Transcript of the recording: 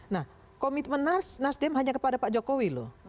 nah komitmen nasdem hanya kepada pak jokowi loh